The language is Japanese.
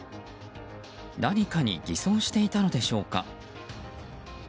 何かに偽装していたのでしょうか。